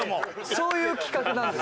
そういう企画なんです。